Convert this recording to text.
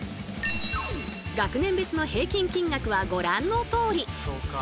学年別の平均金額はご覧のとおり！